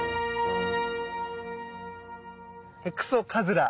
ヘクソカズラ！